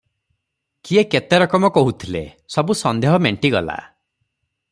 କିଏ କେତେ ରକମ କହୁଥିଲେ, ସବୁ ସନ୍ଦେହ ମେଣ୍ଟିଗଲା ।